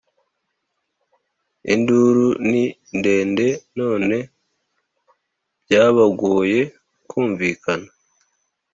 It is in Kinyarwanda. Induru ni ndende none byabagoye kumvikana